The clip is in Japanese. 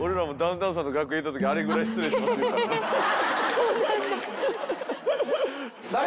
そうなんだ。